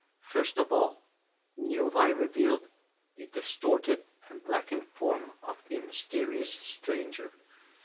First of all, the new light revealed the distorted and blackened form of the mysterious stranger.